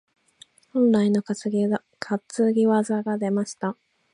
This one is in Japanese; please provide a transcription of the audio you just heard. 本来の担ぎ技が出ました。